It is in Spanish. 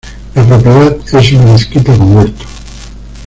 La propiedad es una mezquita con huerto.